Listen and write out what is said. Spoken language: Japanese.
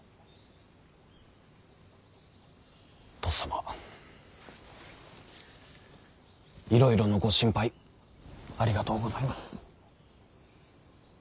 とっさまいろいろのご心配ありがとうございます。